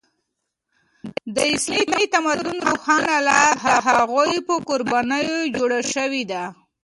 د اسلامي تمدن روښانه لاره د هغوی په قربانیو جوړه شوې ده.